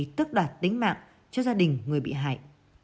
vì tức đoạt tính mạng cho gia đình người bị hại